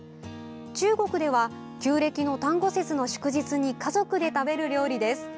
中国では、旧暦の端午節の祝日に家族で食べる料理です。